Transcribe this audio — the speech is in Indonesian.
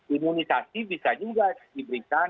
imunisasi bisa juga diberikan